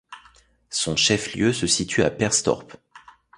Son chef-lieu se situe à Perstorp.